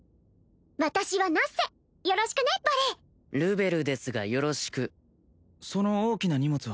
私はナッセよろしくねバレルベルですがよろしくその大きな荷物は？